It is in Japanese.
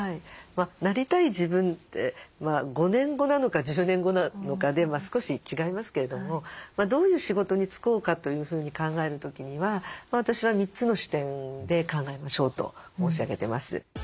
なりたい自分って５年後なのか１０年後なのかで少し違いますけれどもどういう仕事に就こうかというふうに考える時には私は３つの視点で考えましょうと申し上げてます。